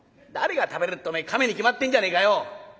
「誰が食べるってお前亀に決まってんじゃねえかよ」。